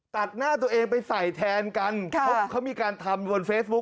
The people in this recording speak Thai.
ตัดหน้าตัวเองไปใส่แทนกันเขามีการทำบนเฟซบุ๊